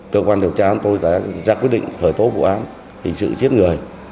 cơ quan điều tra tôi đã ra quyết định khởi tố vụ án hình sự chết người